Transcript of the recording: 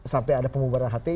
sampai ada pemubaran hati